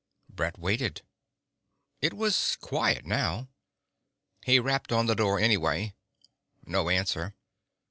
Brett waited. It was quiet now. He rapped on the door anyway. No answer.